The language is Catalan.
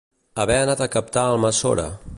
Haver anat a captar a Almassora.